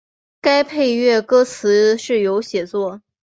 该配乐歌词是由写作。